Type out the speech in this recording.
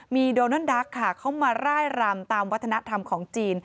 มีโดนัลดักค่ะเขามาร่ายรำตามวัฒนธรรมของจีน